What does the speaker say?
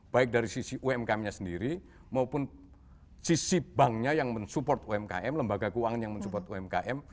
baik dari sisi umkm nya sendiri maupun sisi banknya yang mensupport umkm lembaga keuangan yang mensupport umkm